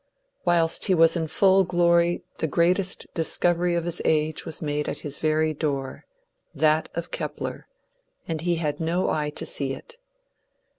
^* Whilst he was iu full glory the greatest discovery of his age was made at his very door, — that of Kepler, — and he had no eye to see it."